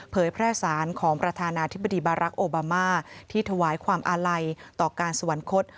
แพร่สารของประธานาธิบดีบารักษ์โอบามาที่ถวายความอาลัยต่อการสวรรคต